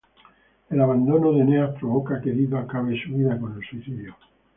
El abandono de Eneas provoca que Dido acabe su vida con el suicidio.